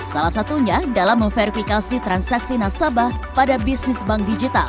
salah satunya dalam memverifikasi transaksi nasabah pada bisnis bank digital